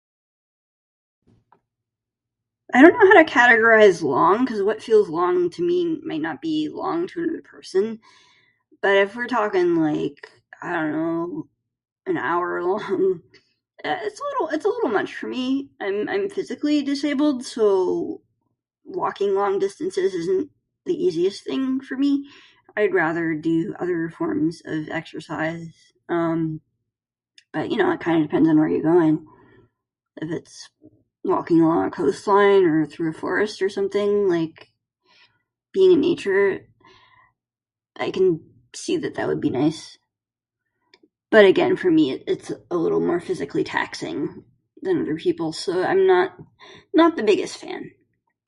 I dunno how to categorize long, cuz what feels long to me might not be long to another person. But if we're talking, like, I dunno, an hour long, it's a little it's a little much for me. I'm I'm physically disabled, so walking long distances isn't the easiest thing for me. I'd rather do other forms of exercise. Um, but, you know, it kinda depends on where you're going. If it's walking along a coast line, or through a forest, or something, like, being in nature, I can see that that would be nice. But again, for me it's it's a little more physically taxing than for other people, so I'm not not the biggest fan.